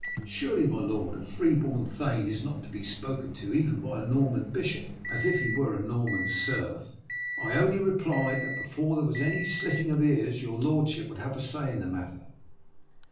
Surely, my lord, a free born thane is not to be spoken to even by a Norman bishop as if he were a Norman serf. I only replied that before there was any slitting of ears your lordship would have a say in the matter.